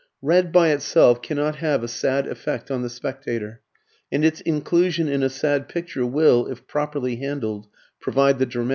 Red by itself cannot have a sad effect on the spectator, and its inclusion in a sad picture will, if properly handled, provide the dramatic element.